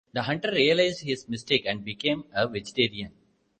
The hunter realised his mistake and became a vegetarian.